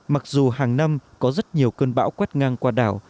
mặc dù hàng năm có rất nhiều cơn bão quét ngang qua đảo